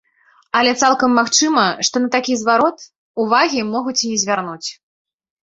Але цалкам магчыма, што на такі зварот увагі могуць і не звярнуць.